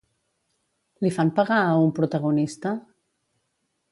Li fan pagar a un protagonista?